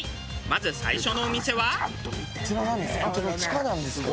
まず最初のお店は。